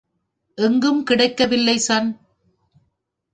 எங்கும் கிடைக்கவில்லை சன்.